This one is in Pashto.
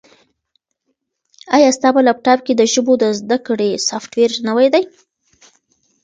ایا ستا په لیپټاپ کي د ژبو د زده کړې سافټویر نوی دی؟